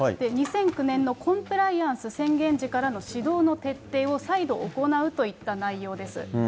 ２００９年のコンプライアンス宣言時からの指導の徹底を再度行うといった内容です。